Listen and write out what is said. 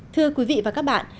thưa quý vị và các bạn